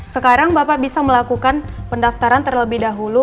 sekarang bapak bisa melakukan pendaftaran terlebih dahulu